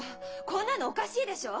こんなのおかしいでしょ？